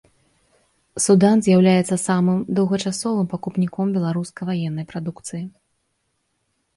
Судан з'яўляецца самым доўгачасовым пакупніком беларускай ваеннай прадукцыі.